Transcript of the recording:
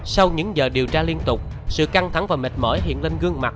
sau những giờ điều tra liên tục sự căng thẳng và mệt mỏi hiện lên gương mặt